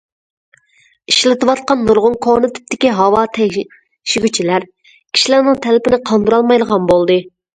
ئىشلىتىۋاتقان نۇرغۇن كونا تىپتىكى ھاۋا تەڭشىگۈچلەر كىشىلەرنىڭ تەلىپىنى قاندۇرالمايدىغان بولدى.